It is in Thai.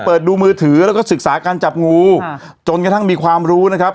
เปิดดูมือถือแล้วก็ศึกษาการจับงูจนกระทั่งมีความรู้นะครับ